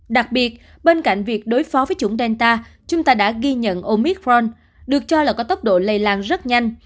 đặc biệt bên cạnh việc đối phó với chủng delta chúng ta đã ghi nhận omithron được cho là có tốc độ lây lan rất nhanh